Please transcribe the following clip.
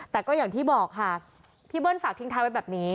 แต่ก็อย่างที่บอกค่ะพี่เบิ้ลฝากทิ้งท้ายไว้แบบนี้